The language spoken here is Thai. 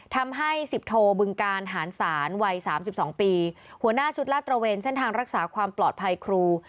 ทำให้๑๐โทบึงการหารศาลวัย๓๒ปีหัวหน้าชุดลาดตระเวนเส้นทางรักษาความปลอดภัยครู